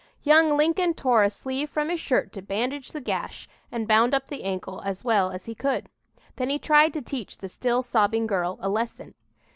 Young Lincoln tore a sleeve from his shirt to bandage the gash and bound up the ankle as well as he could. Then he tried to teach the still sobbing girl a lesson.